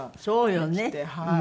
そうよね。